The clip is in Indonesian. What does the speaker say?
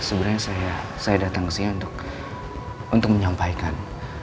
sebenarnya saya datang kesini untuk menyampaikan